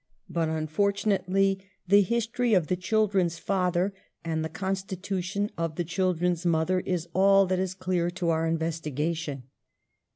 But, unfortunately, the history of the children's father and the constitution of the children's mother is all that is clear to our investigation.